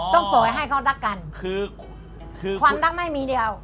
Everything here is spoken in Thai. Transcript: ต้องป่อยให้เขารักกันความรักไม่มีเดียว